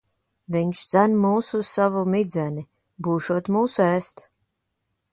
Viņš dzen mūs uz savu midzeni. Būšot mūs ēst.